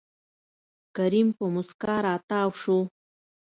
کريم په موسکا راتاو شو.